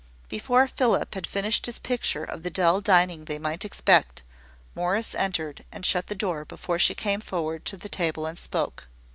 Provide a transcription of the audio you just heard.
Before Philip had finished his picture of the dull dining they might expect, Morris entered, and shut the door before she came forward to the table and spoke.